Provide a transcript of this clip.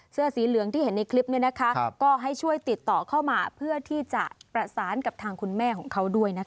เสื้อสีเหลืองที่เห็นในคลิปนี้นะคะ